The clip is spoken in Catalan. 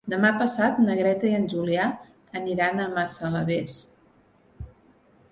Demà passat na Greta i en Julià aniran a Massalavés.